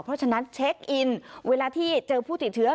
เพราะฉะนั้นเช็คอินเวลาที่เจอผู้ติดเชื้อ